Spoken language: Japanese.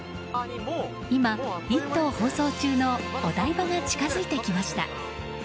今、「イット！」を放送中のお台場が近づいてきました。